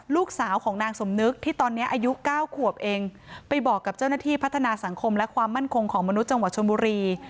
ลูกสาวของนางสมนึกที่ตอนนี้อายุเก้าขวบเองไปบอกกับเจ้าหน้าที่พัฒนาสังคมและความมั่นคงของมนุษย์จังหวัดชนบุรี